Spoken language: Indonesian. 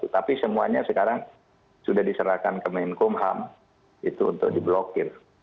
tapi semuanya sekarang sudah diserahkan ke menkumham itu untuk diblokir